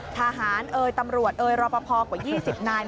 ทหารเอยตำรวจเอยรอปภกว่า๒๐นาย